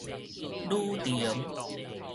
旅程